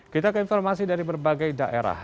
kita ke informasi dari berbagai daerah